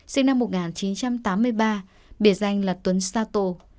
sinh năm một nghìn chín trăm tám mươi ba biệt danh là tuấn sato